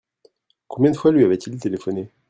Combien de fois lui avaient-ils téléphoné ?